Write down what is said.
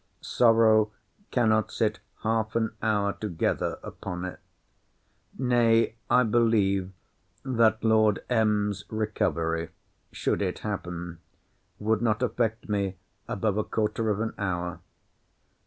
Sorrow cannot sit half an hour together upon it. Nay, I believe, that Lord M.'s recovery, should it happen, would not affect me above a quarter of an hour.